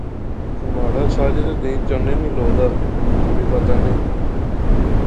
مہاڑا ساجد تہ دیئں چنے نی لو دا، کڑی پتہ نئیں؟